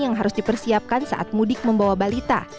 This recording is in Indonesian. yang harus dipersiapkan saat mudik membawa balita